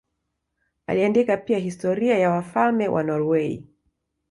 Aliandika pia historia ya wafalme wa Norwei.